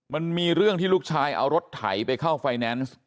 มันมีเรื่องที่ลูกชายเอารถไถไปเข้าไฟแนนซ์